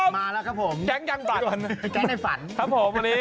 มาแล้วครับผมแก๊งยังฝันไอ้แก๊งในฝันครับผมวันนี้